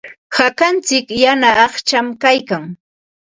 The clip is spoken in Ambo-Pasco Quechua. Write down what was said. Hakantsik yana aqcham kaykan.